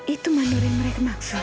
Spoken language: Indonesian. itu mandor yang mereka maksud